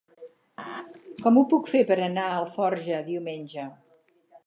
Com ho puc fer per anar a Alforja diumenge?